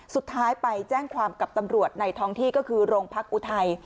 สุดท้ายไปแจ้งความกับตำรวจในท้องที่ก็คือโรงพักอุทัย